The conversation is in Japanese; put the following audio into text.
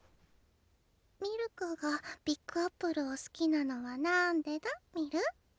ミルクがビックアップルを好きなのはなんでだミル？